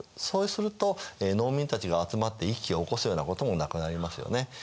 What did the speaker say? そうすると農民たちが集まって一揆を起こすようなこともなくなりますよね。